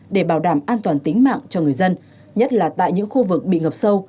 để bảo đảm an toàn tính mạng cho người dân nhất là tại những khu vực bị ngập sâu